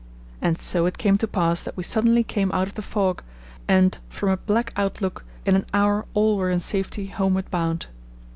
'" And so it came to pass that we suddenly came out of the fog, and, from a black outlook, in an hour all were in safety homeward bound.